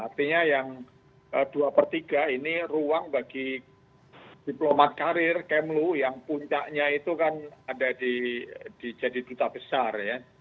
artinya yang dua per tiga ini ruang bagi diplomat karir kemlu yang puncaknya itu kan ada di jadi duta besar ya